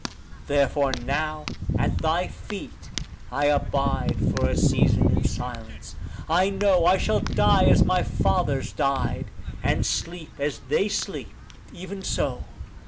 Therefore now at thy feet I abide for a season in silence. I know I shall die as my fathers died, and sleep as they sleep; even so.